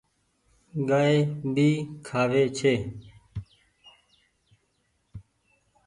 گآئي ڀي کآوي ڇي۔